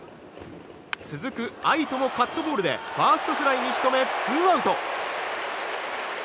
続く愛斗もカットボールでファーストフライに仕留めツーアウト。